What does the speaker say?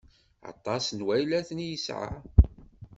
Aṭas n waylaten i yesɛa.